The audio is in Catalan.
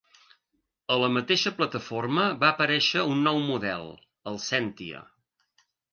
A la mateixa plataforma va aparèixer un nou model, el Sentia.